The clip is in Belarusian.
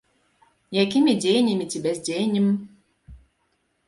Якімі дзеяннямі ці бяздзеяннем?